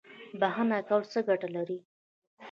بخښنه کول څه ګټه لري؟